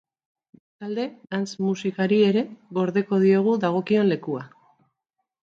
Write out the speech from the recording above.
Bestalde, dance musikari ere gordeko diogu dagion lekua.